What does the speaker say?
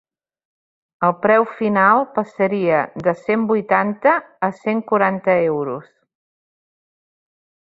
El preu final passaria de cent vuitanta a cent quaranta euros.